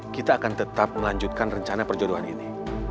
kita akan tetap melanjutkan rencana perjodohan ini